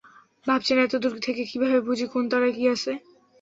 ভাবছেন এতদূর থেকে কীভাবে বুঝি কোন তারায় কী আছে?